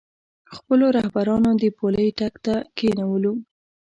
خپلو رهبرانو د پولۍ ټک ته کېنولو.